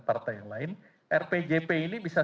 partai yang lain rpjp ini bisa